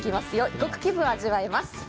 異国気分を味わえます。